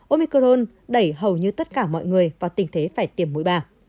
omicron đẩy hầu như tất cả mọi người vào tình thế phải tiềm mũi ba